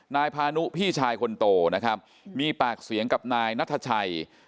นายพานุพี่ชายคนโตนะครับมีปากเสียงกับนายนัทชัย